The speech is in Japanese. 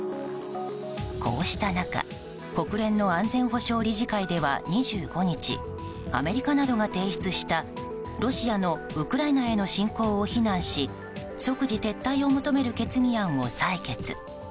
こうした中国連の安全保障理事会では２５日、アメリカなどが提出したロシアのウクライナへの侵攻を非難し即時撤退を求める決議案を採決。